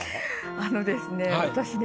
あのですね